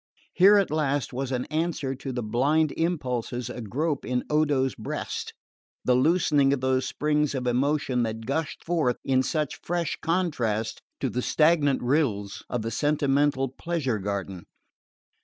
Here at last was an answer to the blind impulses agrope in Odo's breast the loosening of those springs of emotion that gushed forth in such fresh contrast to the stagnant rills of the sentimental pleasure garden.